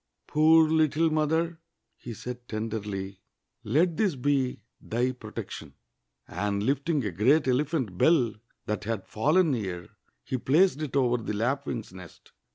"Poor little mother!" he said tenderly, "let this be thy protection!" And. Hfting a great ele phant bell that had fallen near, he placed it over the lap'^'ing's nest.